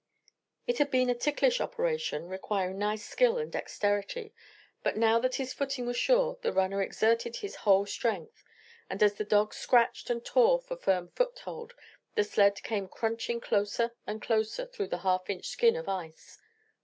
It had been a ticklish operation, requiring nice skill and dexterity, but now that his footing was sure the runner exerted his whole strength, and as the dogs scratched and tore for firm foothold, the sled came crunching closer and closer through the half inch skin of ice.